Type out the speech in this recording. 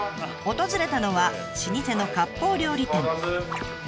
訪れたのは老舗のかっぽう料理店。